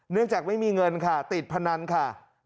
จากไม่มีเงินค่ะติดพนันค่ะ